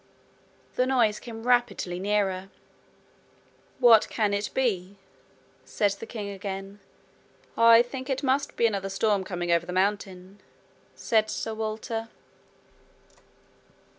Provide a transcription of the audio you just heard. The noise came rapidly nearer. 'What can it be?' said the king again. 'I think it must be another storm coming over the mountain,' said Sir Walter.